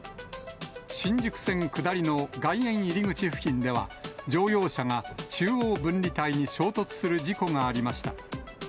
新宿線下りの外苑入口付近では、乗用車が中央分離帯に衝突する事故がありました。